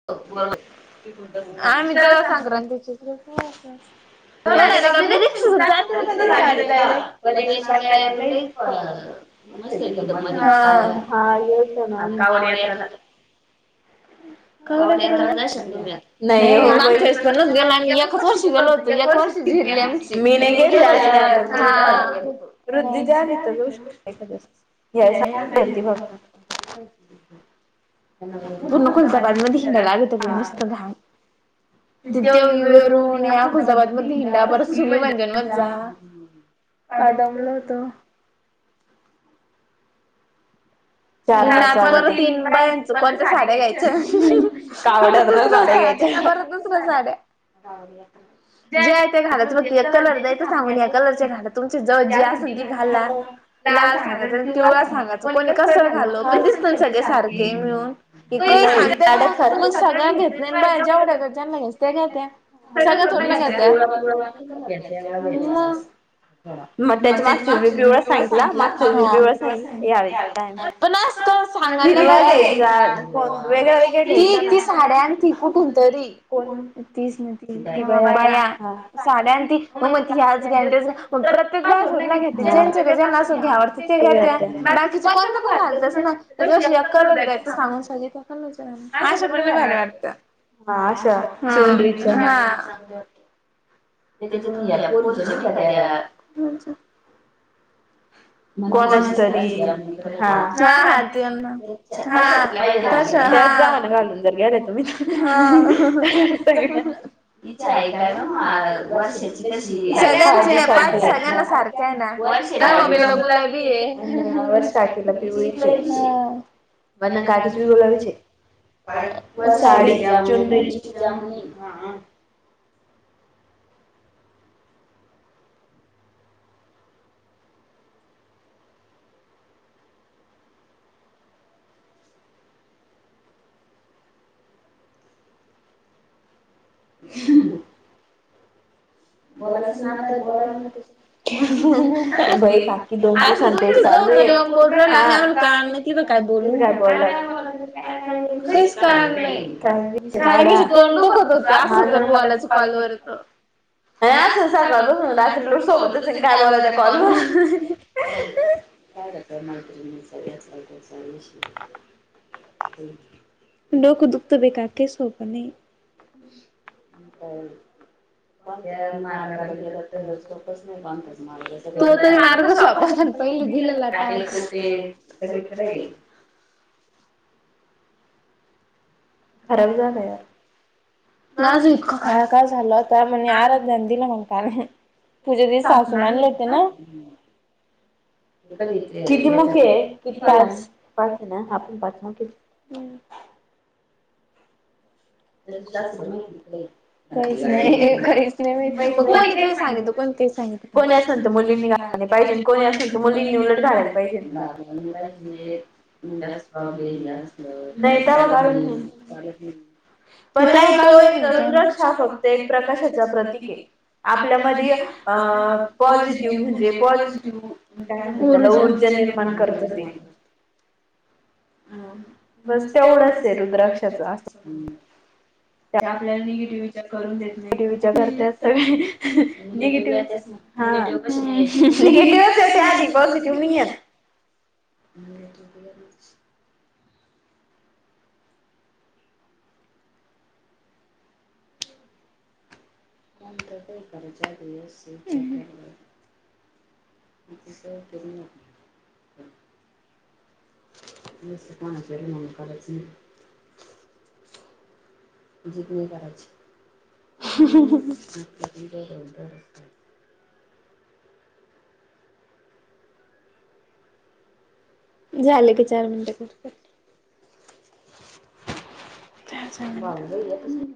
[inaudible] आम्ही तवा संक्रांतीचे हो गं ती आपली रिक्ष सुध जात नायी [inaudible] गाडी जायला. परत ते शिराळ्यात लयी प- [inaudible] मस्त [inaudible] हां [inaudible] [inaudible] मागच्या वेळेस तसच गेलो मी एकाच वर्षी गेलोत. एक वर्षी झिरली आमची मी, हां. [inaudible] [inaudible] गेलीती बघ! [inaudible] पूर्ण कुलताबादमध्ये हिंडायला आलोहोतो नुसता घाण. तिथे उनवरून याकुजाबाद हिंडा परत सुली मांजन मधे जा. काल दमलो होतो. ना आता परत येन बायांच कोणत्या साड्या घ्यायच्या? परत दुसऱ्या साड्या परत दु- सऱ्या साड्या. जे आहे त्या घालायच फक्त एक कलर द्यायच सांगून या कलरच्या घाला तुमच्या जवळ जे असेल ती घाला. लाल सांगायच आणि तिवळा सांगायं कोणी कस- च घालो पण दिसतोयं सगळे सारखे मिळून. हे कयी सांगते पण मग सगळ्या घेत- न बा जेवढ्या घडच्याना घ्याच त्या घेते. सगळ्य थोड न घेते. [inaudible] हां मग त्यांनी ऑप्शन व्यवस्थित सांगितला. [inaudible] पण आस् क- स सांगल ना ती [inaudible] ती ती साड्या आणती कुठून तरी. तीच ना ती बाया साड्या आणती मग म्हणती ह्याच घ्या न तेच घ्या. [inaudible] ते पास होत नायी ते घेती जे ज्यांना अस घ्यावडते ते घेत बाकीचे को- पण तेपण घालतेच ना जशी आ कलर द्यायच सांगून [inaudible] आशे पण लंय भारी वाटतं हां [inaudible] हां त्याचे तुम्ही या पोरीच नाही का त्या [inaudible] हां हां तेन हां हां तशा हां - हां. हची ऐकाय ना मग वर्षाची कशी सगळ्यांची ने पाच सगळ्यांना सार- काय नाय वर्षी माझ्या मम्मीला बु- [inaudible] तेला पिवळीच हे बना [unintelligible] साडी द्या चुनरीची. [unintelligible] [unintelligible] बोलायच न तु तर, आज तर तुमच्या जवळून आली ओ. बोल लाग का नाही ति काय बोलू [inaudible] काहीच कारण नाही. काय हे गं तोंड दुखत होत आस करून बोलायच कॉलवर. आणि असं सगळपासून रात्रभर सोबतच काय बोलाय कॉल करून. काय करनार मैत्रीणी सगळ्या चालत सगशी [inaudible] डोक दुखत बेकार काय सोपं नाही आहे. पण त्या मार्गाला गेला सोपच नाही बणच मार्गा तो तरी मार्ग स् पहिले झिल ला खराब झाला. गाजू इतकां काय काळ झालता म्हणे आरा जञान दिलं म्हणता ना. तूझ्या दि सासून आणलं होते ना. कधी येतं? किती हुक आहे? पाच. हम्. त्या शास्त्र मा काहीच नाही काहीच नाही माहि म कोणी काही सांगित कोणी काही सांगित कोणी असेल तू मुलींनी घाय नाही पाहिजे कोणी असेल त मुलींनी उून घाडयला पाहिजेा पाहिजे. जास् प्रॉब्लेम अस नाही. मला आहे माल हा फक्त प्रकाशाचा प्रतीके आपल्यामध्ये पॉझिटिव्ह म्हणजे पॉझिटिव्ह ऊर्ज ऊर्जा निर्माण करत नाही. ह रस्ते एवढं असेल द्राक्षाच ते आपल्याला निगेटिव्ह विचार करून देत. नाही. व अज बत गमीया. [inaudible] [inaudible] र म काच [inaudible] झालं काी चार मिनटं कर का चग हो तु